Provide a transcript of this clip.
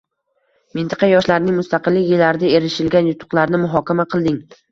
Mintaqa yoshlarining mustaqillik yillarida erishilgan yutuqlarni muhokama qilding